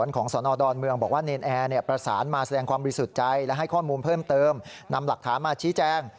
และให้ข้อมูลเพิ่มเติมนำหลักฐานมาชี้แจ้ง